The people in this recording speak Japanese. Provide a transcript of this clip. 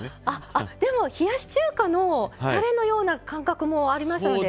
あでも冷やし中華のたれのような感覚もありましたので。